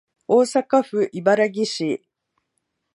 大阪府茨木市